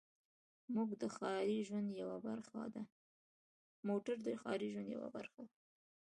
موټر د ښاري ژوند یوه برخه ده.